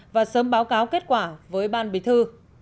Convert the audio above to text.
và sớm báo cáo kết quả với ban bí thư